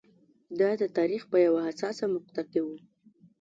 دا د تاریخ په یوه حساسه مقطعه کې و.